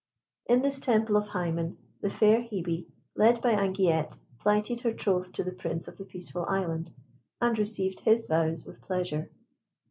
In this temple of Hymen the fair Hebe, led by Anguillette, plighted her troth to the Prince of the Peaceful Island, and received his vows with pleasure.